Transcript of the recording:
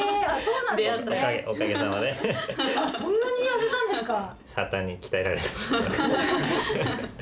そんなに痩せたんですか。